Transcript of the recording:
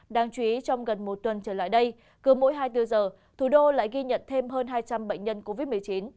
đáng chú ý trong gần một tuần trở lại đây cứ mỗi hai mươi bốn giờ thủ đô lại ghi nhận thêm hơn hai trăm linh bệnh nhân covid một mươi chín